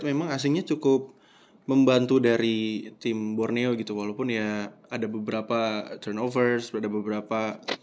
namanya cukup membantu dari tim borneo gitu walaupun ya ada beberapa turnovers ada beberapa